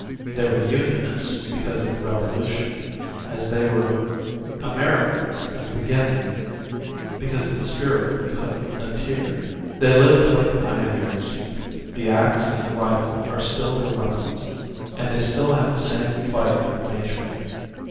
They were Unionists because of the Revolution, as they were Americans in the beginning because of the spirit of the Covenanter. They live like the pioneers; the axe and the rifle are still their weapons and they still have the same fight with nature.